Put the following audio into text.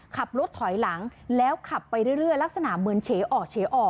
ขับรถถอยหลังแล้วขับไปเรื่อยลักษณะเหมือนเฉออกเฉออก